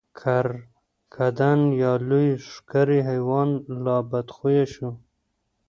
کرکدن یا لوی ښکری حیوان لا بدخویه شو.